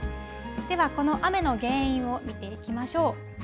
では、この雨の原因を見ていきましょう。